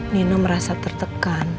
nino merasa tertekan